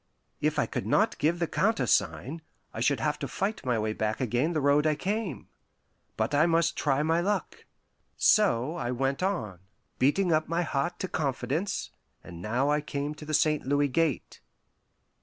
If I could not give the countersign, I should have to fight my way back again the road I came. But I must try my luck. So I went on, beating up my heart to confidence; and now I came to the St. Louis Gate.